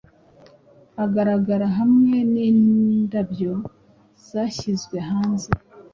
agaragara hamwe nindabyo zahyizwe hanze